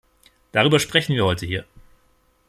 Darüber sprechen wir heute hier.